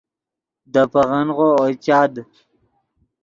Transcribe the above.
دے پیغنغو اوئے چاد